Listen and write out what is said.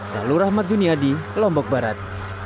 lalu rahmat juniadi lombok barat